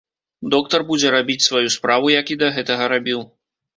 Доктар будзе рабіць сваю справу, як і да гэтага рабіў.